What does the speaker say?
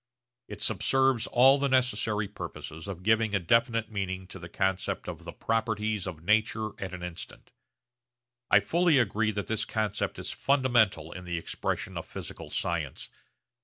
It subserves all the necessary purposes of giving a definite meaning to the concept of the properties of nature at an instant. I fully agree that this concept is fundamental in the expression of physical science.